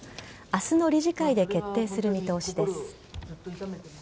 明日の理事会で決定する見通しです。